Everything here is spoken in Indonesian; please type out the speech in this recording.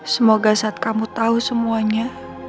semoga saat kamu tahu semuanya